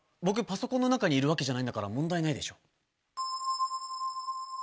パソコンの中にいるわけじゃないんだから問題ないでしょ。